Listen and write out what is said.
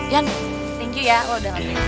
ian thank you ya